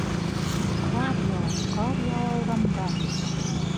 Ҡар яуа, ҡар яуа урамда!